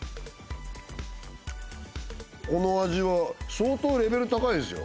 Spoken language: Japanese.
この味は相当レベル高いですよ